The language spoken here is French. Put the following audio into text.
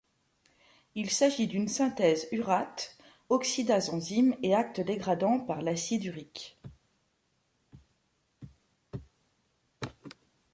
Il s'agit d'une synthèse urate oxydase enzyme et actes dégradants par l'acide urique.